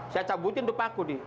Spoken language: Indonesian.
saya cabutin tupaku di